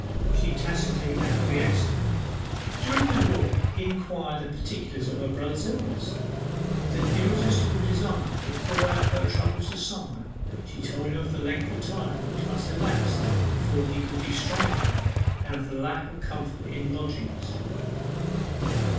She tacitly acquiesced. During their walk he inquired the particulars of her brother's illness, and with an irresistible desire to pour out her trouble to some one, she told him of the length of time which must elapse before he could be strong again, and of the lack of comfort in lodgings.